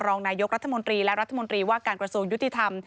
รองนายกรัฐมนตรีและรัฐมนตรีว่าการกระทรวงยุติธรรม